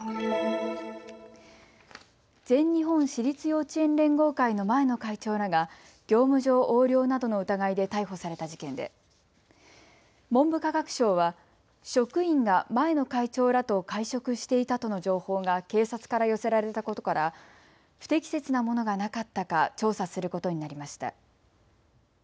全日本私立幼稚園連合会の前の会長らが業務上横領などの疑いで逮捕された事件で文部科学省は職員が前の会長らと会食していたとの情報が警察から寄せられたことから不適切なものがなかったか調査することになりました。